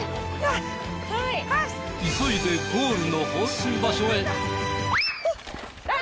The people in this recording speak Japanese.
急いでゴールの放水場所へ。